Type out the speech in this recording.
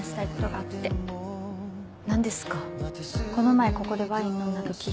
この前ここでワイン飲んだとき